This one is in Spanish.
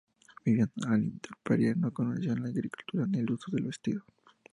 Vivían al intemperie, no conocían la agricultura ni el uso del vestido.